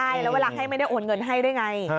ใช่แล้วเวลาให้ไม่ได้โอนเงินให้ด้วยไง